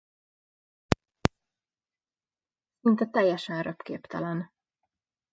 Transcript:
Szinte teljesen röpképtelen.